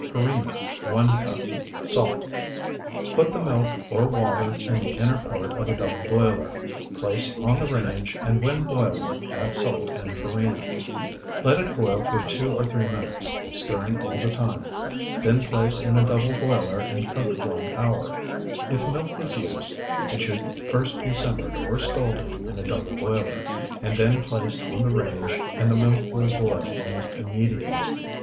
Farina, 1 cup. Salt. Put the milk or water in the inner part of a double boiler, place on the range, and when boiling add salt and farina. Let it boil for two or three minutes, stirring all the time. Then place in a double boiler and cook one hour. If milk is used, it should first be simmered or scalded in a double boiler, and then placed on the range and the milk will boil almost immediately.